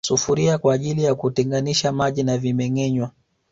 Sufuria kwaajili ya kuteganisha maji na vimengenywa